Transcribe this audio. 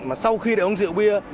mà sau khi đều uống rượu bia